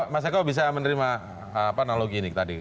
mas eko bisa menerima analogi ini tadi